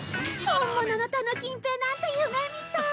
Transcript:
本物の田野金平なんて夢みたい！